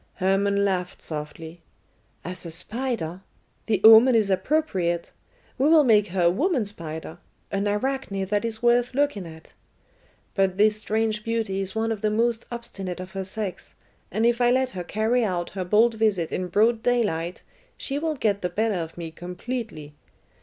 Hermon laughed softly. "As a spider? The omen is appropriate. We will make her a woman spider an Arachne that is worth looking at. But this strange beauty is one of the most obstinate of her sex, and if I let her carry out her bold visit in broad daylight she will get the better of me completely.